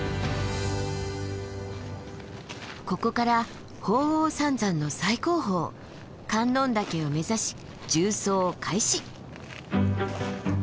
ここから鳳凰三山の最高峰観音岳を目指し縦走開始。